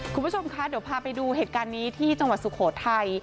คุณผู้ชมคะเดี๋ยวพาไปดูเหตุการณ์นี้ที่จังหวัดสุโขทัย